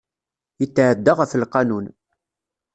Yetɛedda ɣef lqanun.